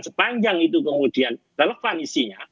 sepanjang itu kemudian relevan isinya